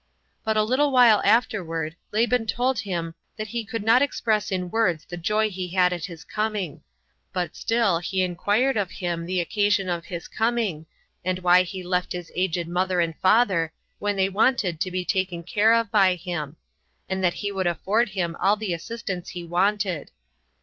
But a little while afterward, Laban told him that he could not express in words the joy he had at his coming; but still he inquired of him the occasion of his coming, and why he left his aged mother and father, when they wanted to be taken care of by him; and that he would afford him all the assistance he wanted.